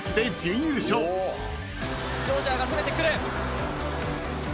ジョージアが攻めてくる！